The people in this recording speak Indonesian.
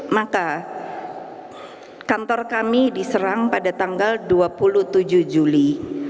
maka kantor kami diserang pada tanggal dua puluh tujuh juli